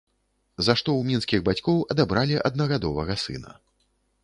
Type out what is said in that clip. За што ў мінскіх бацькоў адабралі аднагадовага сына.